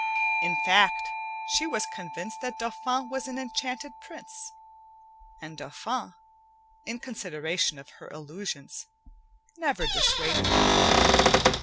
In fact, she was convinced that Dauphin was an enchanted prince, and Dauphin, in consideration of her illusions, never dissuaded her.